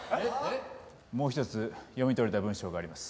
もう一つ読み取れた文章があります。